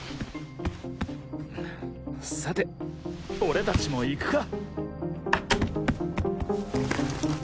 さて俺達も行くか。